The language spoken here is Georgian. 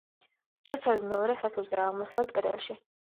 შესასვლელი მეორე სართულზეა, აღმოსავლეთ კედელში.